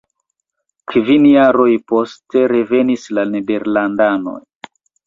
Kvin jaroj poste revenis la nederlandanoj.